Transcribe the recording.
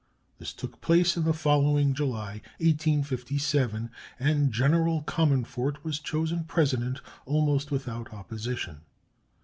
This took place in the following July (1857), and General Comonfort was chosen President almost without opposition.